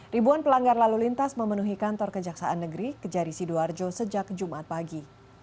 ribuan pelanggar lalu lintas memenuhi kantor kejaksaan negeri kejari sidoarjo sejak jumat pagi